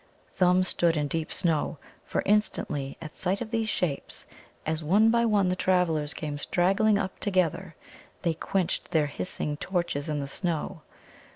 Thumb stood in deep shadow, for instantly, at sight of these shapes, as one by one the travellers came straggling up together, they quenched their hissing torches in the snow.